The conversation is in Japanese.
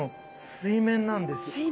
水面なんですね。